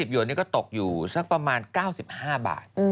หยวนนี่ก็ตกอยู่สักประมาณ๙๕บาท